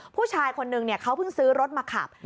ผู้ชายคนนึงเขาเพิ่งซื้อรถมาขับ